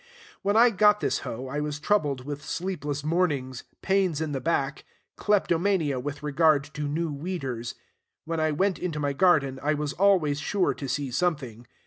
When I got this hoe I was troubled with sleepless mornings, pains in the back, kleptomania with regard to new weeders; when I went into my garden I was always sure to see something.